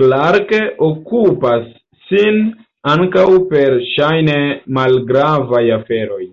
Clarke okupas sin ankaŭ per ŝajne malgravaj aferoj.